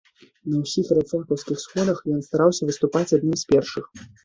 На ўсіх рабфакаўскіх сходах ён стараўся выступаць адным з першых.